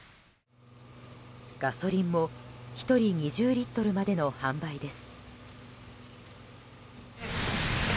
ガソリンも、１人２０リットルまでの販売です。